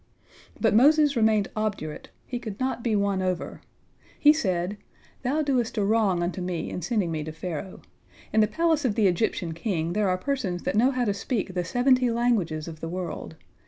But Moses remained obdurate, he could not be won over. He said: "Thou doest a wrong unto me in sending me to Pharaoh. In the palace of the Egyptian king there are persons that know how to speak the seventy languages of the world.